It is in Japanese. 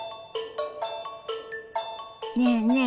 ねえねえ